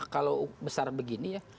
kalau besar begini ya